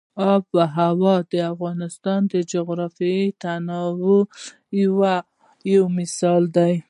آب وهوا د افغانستان د جغرافیوي تنوع یو مثال دی.